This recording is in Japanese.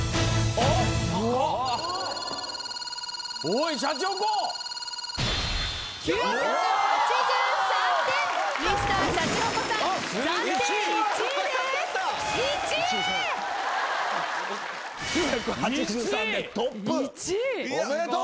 おめでとう！